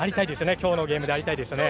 今日のゲームでありたいです。